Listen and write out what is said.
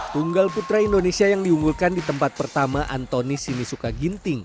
tunggal putra indonesia yang diunggulkan di tempat pertama antoni sinisuka ginting